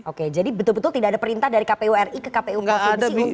oke jadi betul betul tidak ada perintah dari kpu ri ke kpu provinsi